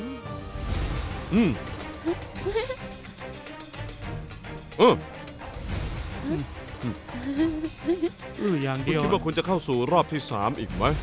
คุณคิดว่าคุณจะเข้าสู่รอบที่สามอีกไหม